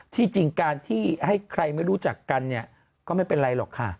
ที่จริงการที่ให้ใครไม่รู้จักกันเนี่ยก็ไม่เป็นไรหรอกค่ะ